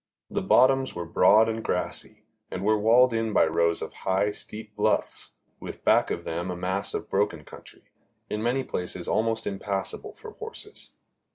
The bottoms were broad and grassy, and were walled in by rows of high, steep bluffs, with back of them a mass of broken country, in many places almost impassable for horses.